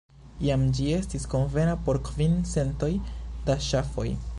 Iam ĝi estis konvena por kvin centoj da ŝafoj.